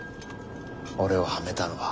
俺をはめたのは。